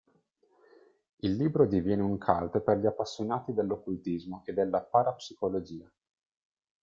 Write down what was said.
Il libro diviene un "cult" per gli appassionati dell'occultismo e della parapsicologia.